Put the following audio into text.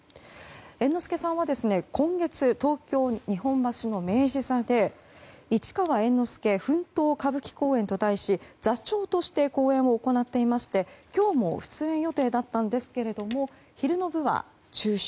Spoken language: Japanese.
猿之助さんは今月東京・日本橋の明治座で「市川猿之助奮闘歌舞伎公演」と題し座長として公演を行っていまして今日も出演予定だったんですが昼の部は中止。